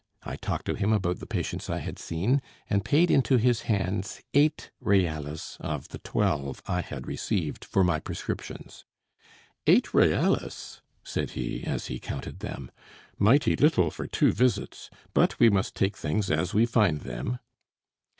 I talked to him about the patients I had seen, and paid into his hands eight reales of the twelve I had received for my prescriptions. "Eight reales!" said he, as he counted them. "Mighty little for two visits! But we must take things as we find them."